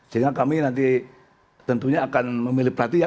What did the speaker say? sehingga kami nanti tentunya akan memilih pelatih